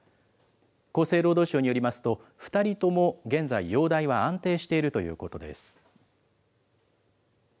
厚生労働省によりますと、２人とも現在、容体は安定しているということです。